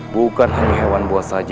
bukan hanya hewan buas saja